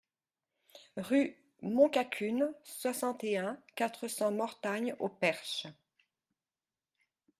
Rue Montcacune, soixante et un, quatre cents Mortagne-au-Perche